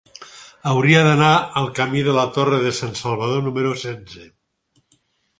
Hauria d'anar al camí de la Torre de Sansalvador número setze.